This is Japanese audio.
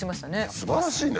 すばらしいね。